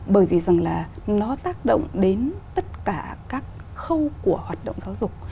bởi vì rằng là nó tác động đến tất cả các khâu của hoạt động giáo dục